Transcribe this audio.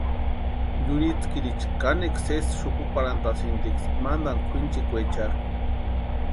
Yurhitskiriicha kanekwa sésï xukuparhantʼasïntiksï matani kwʼinchikwaecharhu.